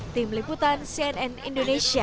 tim liputan cnn indonesia